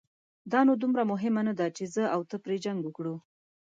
دا نو دومره مهمه نه ده، چې زه او ترې پرې جنګ وکړو.